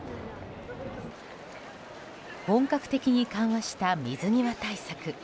本格的に緩和した水際対策。